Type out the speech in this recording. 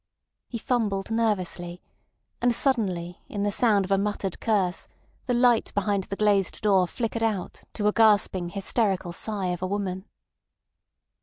He fumbled nervously—and suddenly in the sound of a muttered curse the light behind the glazed door flicked out to a gasping, hysterical sigh of a woman.